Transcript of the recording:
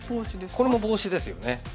これもボウシですよね。